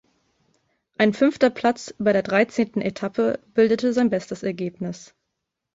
Ein fünfter Platz bei der dreizehnten Etappe bildete sein bestes Ergebnis.